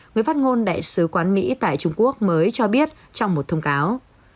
người phát ngôn đại sứ quán mỹ tại trung quốc mới cho biết trong một thông cáo